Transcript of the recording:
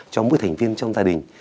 cho mỗi thành viên trong gia đình